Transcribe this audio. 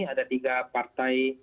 ada tiga partai